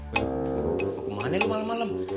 aduh mau kemana lu malem malem